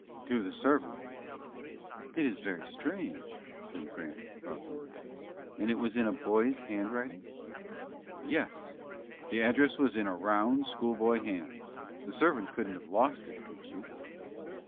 "To the servant." "It is very strange," said Grant, thoughtfully. "And it was in a boy's handwriting?" "Yes; the address was in a round, schoolboy hand. The servant couldn't have lost it, could she?"